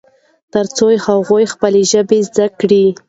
ترڅو هغوی خپله ژبه زده کړي.